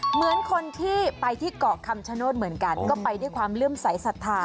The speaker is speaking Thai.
เหมือนคนที่ไปที่เกาะคำชโนธเหมือนกันก็ไปด้วยความเลื่อมใสสัทธา